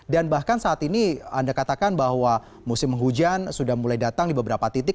dan bahkan saat ini anda katakan bahwa musim hujan sudah mulai datang di beberapa titik